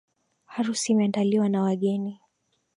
Harusi imeandaliwa na wageni.